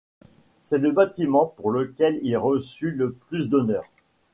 C’est le bâtiment pour lequel il reçut le plus d’honneurs.